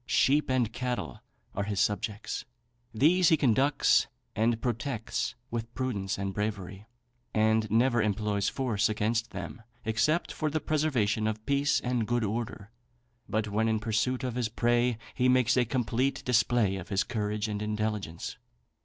Sheep and cattle are his subjects. These he conducts and protects with prudence and bravery, and never employs force against them except for the preservation of peace and good order. But when in pursuit of his prey, he makes a complete display of his courage and intelligence.